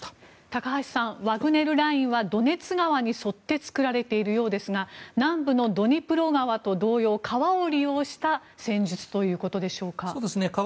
高橋さんワグネルラインはドネツ川に沿って作られているようですが南部のドニプロ川と同様川を利用した戦術ということですか。